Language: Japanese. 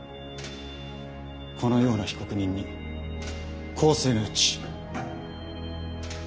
このような被告人に更生の余地。